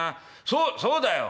そそうだよ。